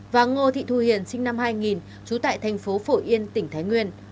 và ngô thị thu hiền sinh năm hai nghìn trú tại thành phố phổ yên tỉnh thái nguyên